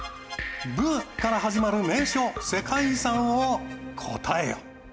「ブ」から始まる名所・世界遺産を答えよ。